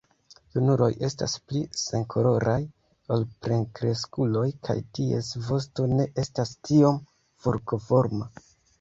Junuloj estas pli senkoloraj ol plenkreskuloj kaj ties vosto ne estas tiom forkoforma.